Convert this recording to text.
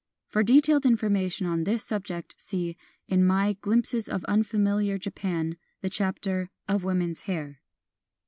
For detailed information on this subject see, in my Glimpses of Unfamiliar Japan, the chapter, " Of Women's Hair."